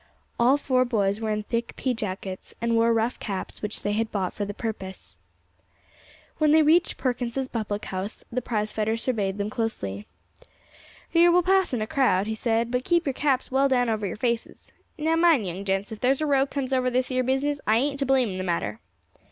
All four boys were in thick pea jackets, and wore rough caps which they had bought for the purpose. When they reached Perkins's public house, the prize fighter surveyed them closely. "Ye will pass in a crowd," he said; "but keep your caps well down over yer faces. Now mind, young gents, if there's a row comes over this 'ere business, I ain't to blame in the matter."